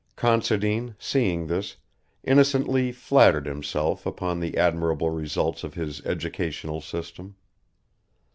Considine, seeing this, innocently flattered himself upon the admirable results of his educational system.